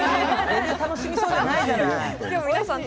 全然楽しみそうじゃないじゃない。